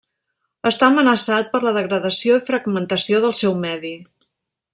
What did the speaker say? Està amenaçat per la degradació i fragmentació del seu medi.